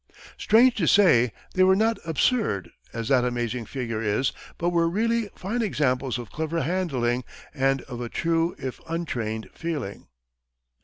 Strange to say, they were not absurd, as that amazing figure is, but were really fine examples of clever handling and of a true, if untrained, feeling.